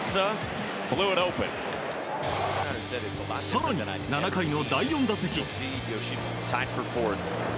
更に、７回の第４打席。